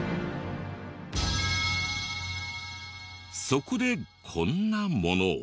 そこでこんなものを。